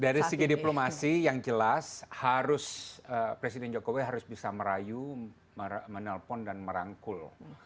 dari segi diplomasi yang jelas harus presiden jokowi harus bisa merayu menelpon dan merangkul